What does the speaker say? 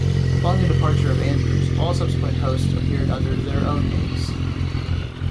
Following the departure of Andrews, all subsequent hosts appeared under their own names.